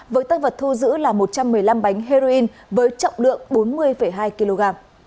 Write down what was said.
với tăng vật thu giữ là một trăm một mươi năm bánh heroin với trọng lượng bốn mươi hai kg